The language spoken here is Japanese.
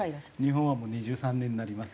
日本はもう２３年になります。